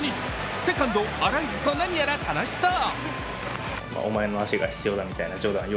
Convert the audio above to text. セカンド・アラエスと何やら楽しそう。